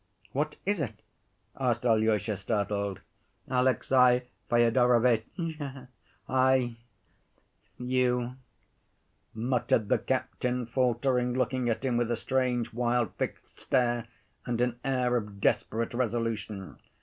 "What is it?" asked Alyosha, startled. "Alexey Fyodorovitch ... I ... you," muttered the captain, faltering, looking at him with a strange, wild, fixed stare, and an air of desperate resolution.